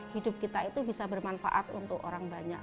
hidup kita itu bisa bermanfaat untuk orang banyak